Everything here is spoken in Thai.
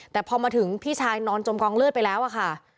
แต่พอมาถึงพี่ชายนอนจมกองเลือดไปแล้วอะค่ะ